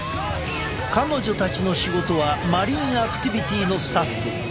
彼女たちの仕事はマリンアクティビティのスタッフ。